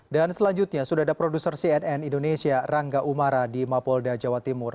dan selanjutnya sudah ada produser cnn indonesia rangga umara di mabolda jawa timur